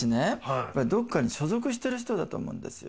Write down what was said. どっかに所属してる人だと思うんですよ。